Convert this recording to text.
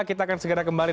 kita akan segera kembali